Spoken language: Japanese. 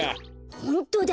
ホントだ。